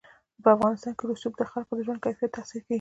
په افغانستان کې رسوب د خلکو د ژوند کیفیت تاثیر کوي.